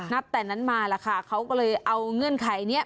แต่นั้นมาล่ะค่ะเขาก็เลยเอาเงื่อนไขนี้